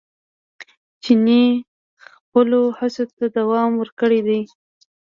چیني خپلو هڅو ته دوام ورکړی دی.